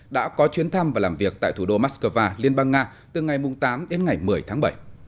đã có chuyến thăm và làm việc tại thủ đô moscow liên bang nga từ ngày tám đến ngày một mươi tháng bảy